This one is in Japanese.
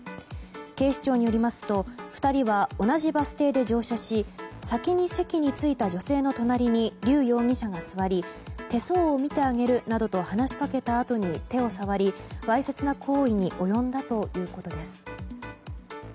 警視庁によりますと２人は同じバス停で乗車し先に席に着いた女性の隣にリュウ容疑者が座り手相を見てあげるなどと話しかけたあとに手を触りわいせつな行為に及んだということです。